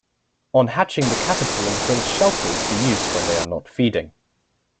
On hatching the caterpillars build shelters for use when they are not feeding.